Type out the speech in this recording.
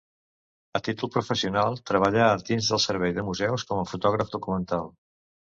A títol professional, treballà dins del Servei de Museus com a fotògraf documental.